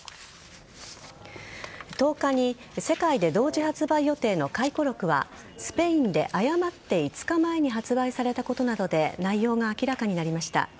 １０日に世界で同時発売予定の回顧録はスペインで誤って５日前に発売されたことなどで内容が明らかになりました。